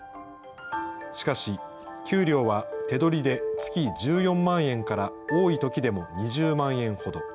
しかし、給料は手取りで月１４万円から多いときでも２０万円ほど。